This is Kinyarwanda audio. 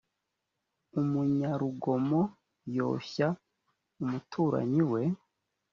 umunyarugomo yoshya umuturanyi we